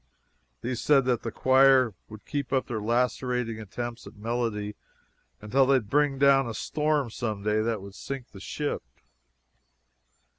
These said that the choir would keep up their lacerating attempts at melody until they would bring down a storm some day that would sink the ship.